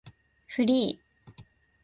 フリー